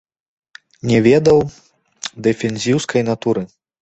Не ведаў дэфензіўскай натуры.